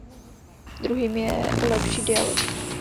Druhým je lepší dialog.